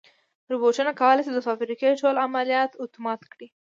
روبوټونه کولی شي د فابریکې ټول عملیات اتومات کړي.